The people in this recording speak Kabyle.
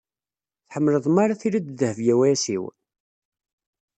Tḥemmleḍ mi ara tiliḍ d Dehbiya u Ɛisiw?